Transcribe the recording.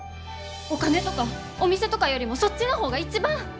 お金とかお店とかよりもそっちの方が一番！